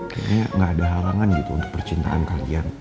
kayaknya gak ada halangan gitu untuk percintaan kalian